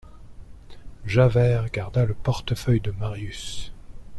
Javert garda le portefeuille de Marius.